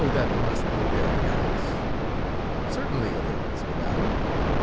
That must be very nice?" "Certainly it is, Madame."